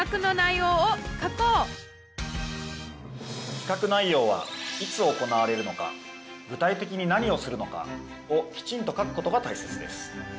企画内容は「いつ」行われるのか「具体的に何をするのか」をきちんと書くことがたいせつです。